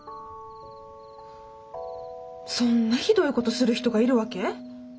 そんなひどいことする人がいるわけ？